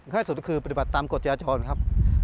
ให้สุดคือปฏิบัติตามกฎจราจรครับ